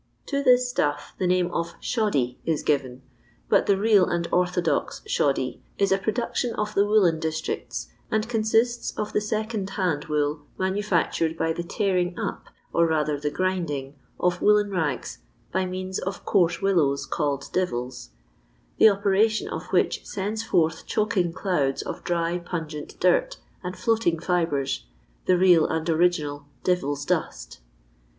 To this stuff the name of "shoddy is given, but the real and orthodox '' shoddy " is a production of the wooUou districts, and consists of the second hand wool manufactured by the tearing up, or rather the pnnding, of woollen rags by means of coarse willows, called devils; the operation of which sends forth choking clouds of dry pungent dirt and floating fibres — the real and original "devil's dust."